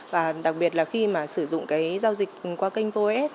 và đặc biệt là khi mà sử dụng cái giao dịch qua kênh pos